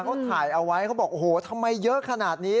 เขาถ่ายเอาไว้เขาบอกโอ้โหทำไมเยอะขนาดนี้